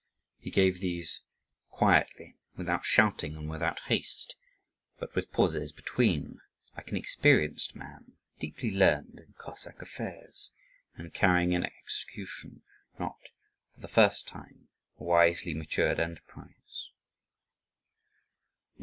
He gave these quietly, without shouting and without haste, but with pauses between, like an experienced man deeply learned in Cossack affairs, and carrying into execution, not for the first time, a wisely matured enterprise.